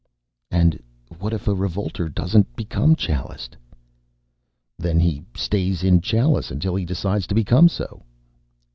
"And what if a revolter doesn't become Chaliced?" "Then he stays in Chalice until he decides to become so."